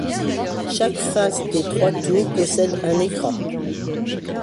Chaque face des trois tours possède un écran.